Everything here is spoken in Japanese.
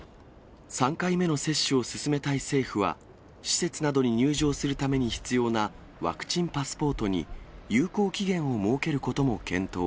３回目の接種を進めたい政府は、施設などに入場するために必要なワクチンパスポートに有効期限を設けることも検討。